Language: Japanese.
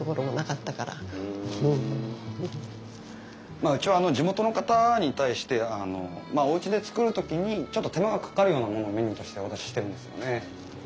まあうちは地元の方に対しておうちで作る時にちょっと手間がかかるようなものをメニューとしてお出ししてるんですよね。